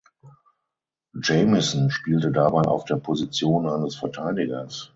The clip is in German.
Jamieson spielte dabei auf der Position eines Verteidigers.